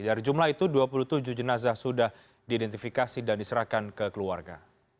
dari jumlah itu dua puluh tujuh jenazah sudah diidentifikasi dan diserahkan ke keluarga